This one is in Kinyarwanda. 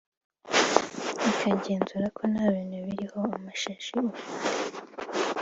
ikagenzura ko nta bintu biriho amashashi ufite